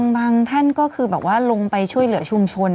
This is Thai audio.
บางท่านก็คือแบบว่าลงไปช่วยเหลือชุมชน